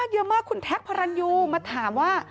เยอะมากคุณแท็กพระรันยูมาถามว่า